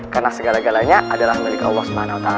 karena segala galanya adalah milik allah swt